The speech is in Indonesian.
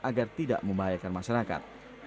agar tidak membahayakan masyarakat